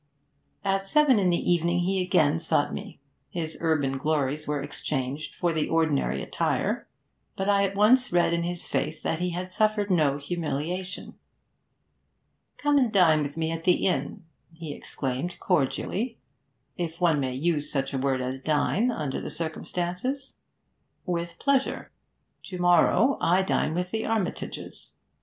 At seven in the evening he again sought me. His urban glories were exchanged for the ordinary attire, but I at once read in his face that he had suffered no humiliation. 'Come and dine with me at the inn,' he exclaimed cordially; 'if one may use such a word as dine under the circumstances.' 'With pleasure.' 'To morrow I dine with the Armitages.'